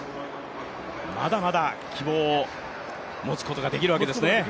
まだまだ希望を持つことができるわけですね。